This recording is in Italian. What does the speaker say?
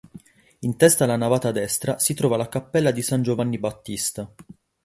In testa alla navata destra si trova la cappella di San Giovanni Battista.